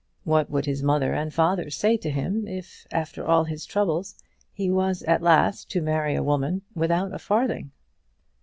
What would his mother and father say to him if, after all his troubles, he was at last to marry a woman without a farthing?